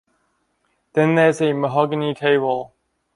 Then there's a mahogany table.